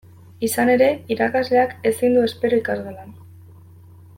Izan ere, irakasleak ezin du espero ikasgelan.